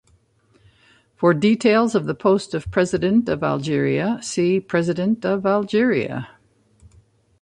For details of the post of President of Algeria see: "President of Algeria"